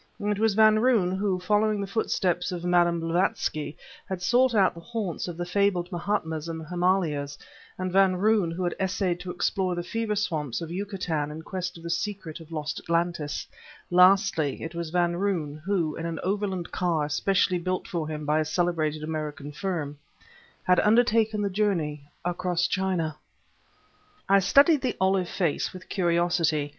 It was Van Roon who, following in the footsteps of Madame Blavatsky, had sought out the haunts of the fabled mahatmas in the Himalayas, and Van Roon who had essayed to explore the fever swamps of Yucatan in quest of the secret of lost Atlantis; lastly, it was Van Roon, who, with an overland car specially built for him by a celebrated American firm, had undertaken the journey across China. I studied the olive face with curiosity.